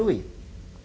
dukungan lebih dahulu